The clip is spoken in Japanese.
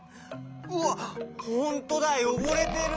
うわっほんとうだよごれてる。